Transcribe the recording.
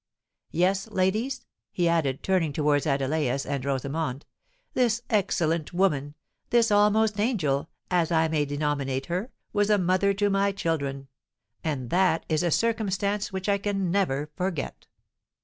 Yes, ladies," he added, turning towards Adelais and Rosamond, "this excellent woman—this almost angel, as I may denominate her—was a mother to my children; and that is a circumstance which I can never forget."